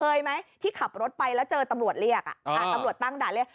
เคยไหมที่ขับรถไปแล้วเจอตำรวจเรียกตำรวจตั้งด่านเรียก